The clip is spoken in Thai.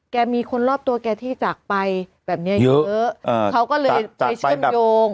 มีคนรอบตัวแกที่จากไปแบบเนี้ยเยอะเขาก็เลยไปเชื่อมโยง